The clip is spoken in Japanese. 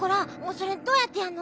それどうやってやるの？